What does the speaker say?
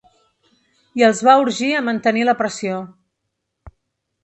I els va urgir a mantenir la pressió.